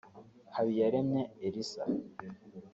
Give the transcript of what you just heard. Habiyaremye Elisa